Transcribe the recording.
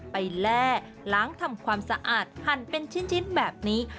แร่ล้างทำความสะอาดหั่นเป็นชิ้นแบบนี้